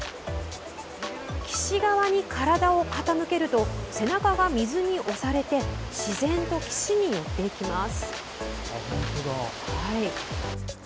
岸側に体を傾けると背中が水に押されて自然と岸に寄っていきます。